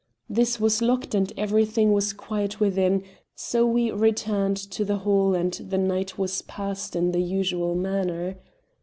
This was locked and everything was quiet within, so we returned to the hall, and the night was passed in the usual manner.